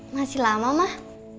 masih lama mah